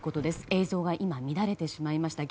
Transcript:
映像が今、乱れてしまいました。